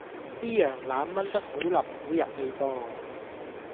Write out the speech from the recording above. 啲羊腩炆得好腍好入味噃